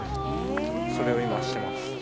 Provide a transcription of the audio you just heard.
それを今してます。